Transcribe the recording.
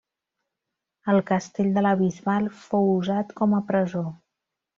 El castell de la Bisbal fou usat com a presó.